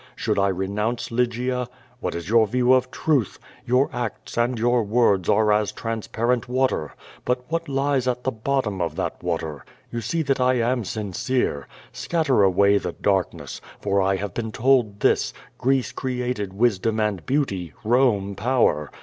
Should I re nounce Lygia? Wliat is your view of truth? Your acts and QUO VADIS. 259 your words arc as transparent water. But what lies at the bottom of that water? You see that I am sincere. Scatter away the darkness, for I have been told this, ^Greece created wisdom and beauty. Home power.'